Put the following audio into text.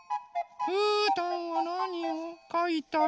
うーたんはなにをかいたの？